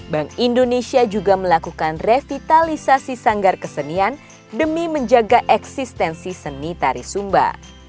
bank indonesia juga melakukan revitalisasi sanggar kesenian demi menjaga eksistensi seni tari sumba